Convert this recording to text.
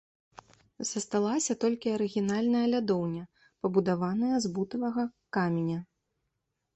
Засталася толькі арыгінальная лядоўня, пабудаваная з бутавага каменя.